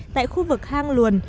tại khu vực hang luồn